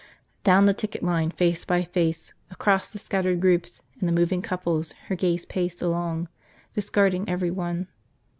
Down the ticket line face by face, across the scattered groups and the moving couples her gaze paced along, discarding everyone.